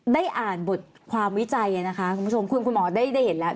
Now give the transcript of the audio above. ได้อ่านบทความวิจัยนะคะคุณผู้ชมคุณคุณหมอได้เห็นแล้ว